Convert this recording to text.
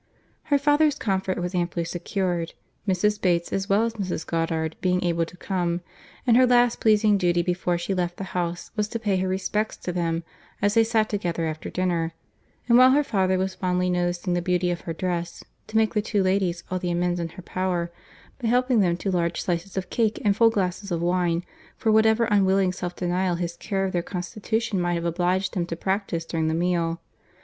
Her father's comfort was amply secured, Mrs. Bates as well as Mrs. Goddard being able to come; and her last pleasing duty, before she left the house, was to pay her respects to them as they sat together after dinner; and while her father was fondly noticing the beauty of her dress, to make the two ladies all the amends in her power, by helping them to large slices of cake and full glasses of wine, for whatever unwilling self denial his care of their constitution might have obliged them to practise during the meal.